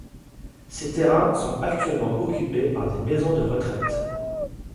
Ces terrains sont actuellement occupés par des maisons de retraite.